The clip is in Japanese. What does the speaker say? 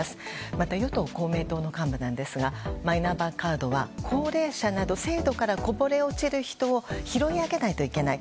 また与党・公明党の幹部ですがマイナンバーカードは高齢者など制度からこぼれ落ちる人を拾い上げないといけない。